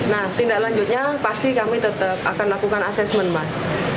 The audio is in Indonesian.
nah tindak lanjutnya pasti kami tetap akan lakukan asesmen mas